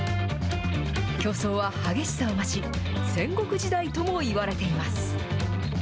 競争は激しさを増し、戦国時代ともいわれています。